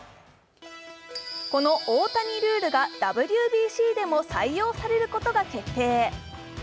この大谷ルールがＷＢＣでも採用されることが決定。